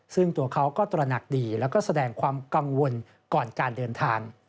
ซึ่งตัวเขาก็ตระหนักดีแล้วก็แสดงความกังวลก่อนการเดินทาง